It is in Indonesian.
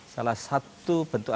salah satu bentuknya